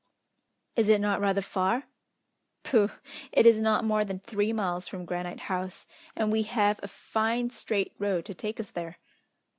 "Is it not rather far?" "Pooh! it is not more than three miles from Granite House, and we have a fine straight road to take us there!"